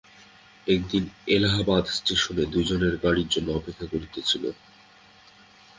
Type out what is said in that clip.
একদিন এলাহাবাদ স্টেশনে দুইজনে গাড়ির জন্য অপেক্ষা করিতেছিল।